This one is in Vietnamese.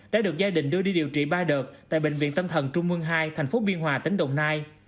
đã được gia đình đưa đi điều trị ba đợt tại bệnh viện tâm thần trung mương hai thành phố biên hòa tỉnh đồng nai